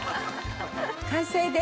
完成です。